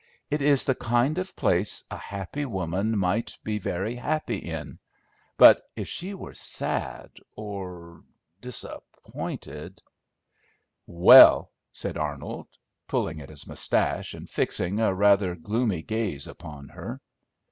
"It is the kind of place a happy woman might be very happy in; but if she were sad or disappointed" "Well?" said Arnold, pulling at his mustache, and fixing a rather gloomy gaze upon her.